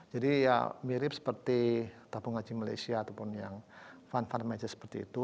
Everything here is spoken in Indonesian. jadi ya mirip seperti tabung haji malaysia ataupun yang fund farm aja seperti itu